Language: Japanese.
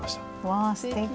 わあすてき！